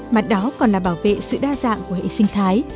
mặt đó còn là bảo vệ sự đa dạng của hệ sinh thái